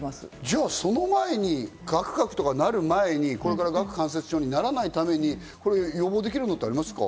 じゃあ、その前にガクガクなる前に、顎関節症にならない前に予防できることってありますか？